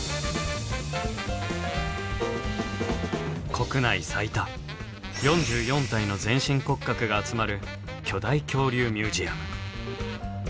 国内最多４４体の全身骨格が集まる巨大恐竜ミュージアム。